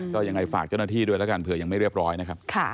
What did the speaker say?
ก็ยังไงฝากเจ้าหน้าที่ด้วยแล้วกันเผื่อยังไม่เรียบร้อยนะครับ